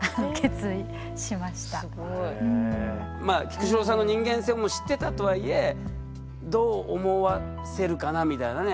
菊紫郎さんの人間性も知ってたとはいえどう思わせるかなみたいなね。